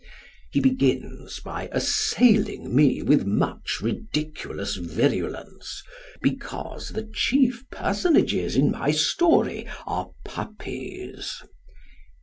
He begins by assailing me with much ridiculous virulence because the chief personages in my story are puppies.